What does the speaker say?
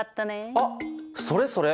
あっそれそれ。